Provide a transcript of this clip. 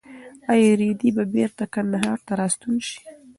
ایا رېدی به بېرته کندهار ته راستون شي؟